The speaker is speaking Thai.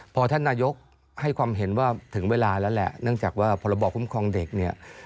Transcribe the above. พอท่านนายกให้ความเห็นว่าถึงเวลาแล้วแหละเนื่องจากว่าพรบคุ้มครองเด็กเนี่ย